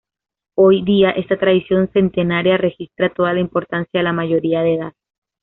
Hoy día esta tradición centenaria registra toda la importancia de la mayoría de edad.